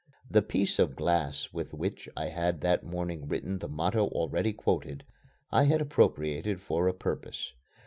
The piece of glass with which I had that morning written the motto already quoted, I had appropriated for a purpose.